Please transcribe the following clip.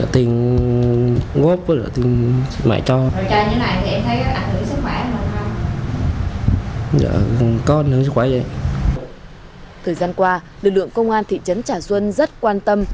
thời gian qua lực lượng công an thị trấn trà xuân rất quan tâm